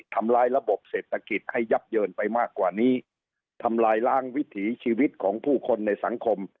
ทำร้ายระบบเศรษฐกิจให้ยับเยินไปมากกว่านี้ทำลายล้างวิถีชีวิตของผู้คนในสังคม